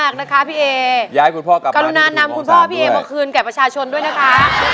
แก่ประชาชนด้วยนะค่ะ